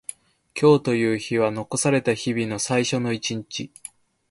今日という日は残された日々の最初の一日。